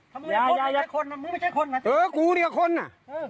อย่าอย่าอย่าคนมึงไม่ใช่คนนะเออกูเดี๋ยวคนน่ะ